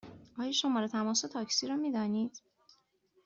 آیا شماره تماس تاکسی را می دانید؟